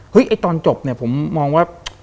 ไอ้ตอนจบเนี่ยผมมองว่า